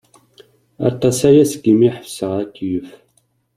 Aṭas aya segmi i ḥebseɣ akeyyef.